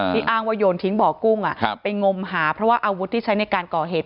อ้างว่าโยนทิ้งบ่อกุ้งไปงมหาเพราะว่าอาวุธที่ใช้ในการก่อเหตุ